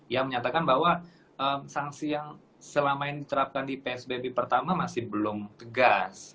yang menyatakan bahwa sanksi yang selama ini diterapkan di psbb pertama masih belum tegas